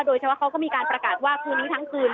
เขาก็มีการประกาศว่าคืนนี้ทั้งคืน